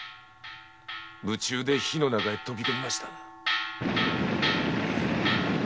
夢中で火の中に飛び込みました。